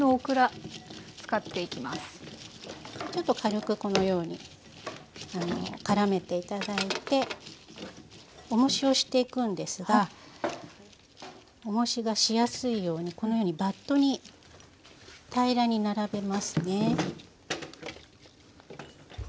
ちょっと軽くこのようにからめて頂いておもしをしていくんですがおもしがしやすいようにこのようにバットに平らに並べますね。